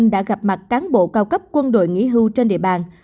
đã gặp mặt cán bộ cao cấp quân đội nghỉ hưu trên địa bàn